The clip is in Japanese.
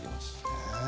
へえ。